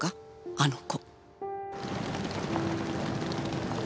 あの子。